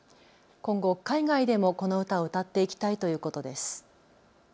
今後、海外でもこの歌を歌っていきたいということです。